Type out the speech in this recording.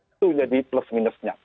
itu jadi plus minusnya